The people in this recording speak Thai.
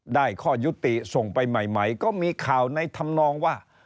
ได้ข้อยุติส่งไปใหม่ก็มีข่าวในธรรมนองว่า